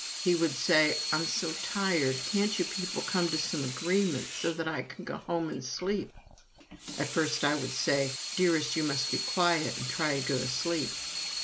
He would say: "I am so tired can't you people come to some agreement, so that I can go home and sleep?" At first I would say: "Dearest, you must be quiet and try to go to sleep."